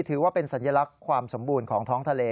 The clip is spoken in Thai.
ถือว่าเป็นสัญลักษณ์ความสมบูรณ์ของท้องทะเล